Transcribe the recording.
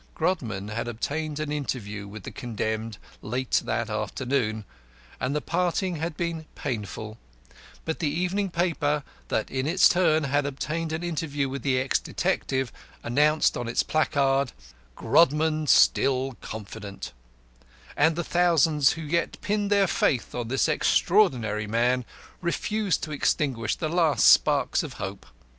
Grodman had obtained an interview with the condemned late that afternoon, and the parting had been painful, but the evening paper, that in its turn had obtained an interview with the ex detective, announced on its placard "GRODMAN STILL CONFIDENT" and the thousands who yet pinned their faith on this extraordinary man refused to extinguish the last sparks of hope.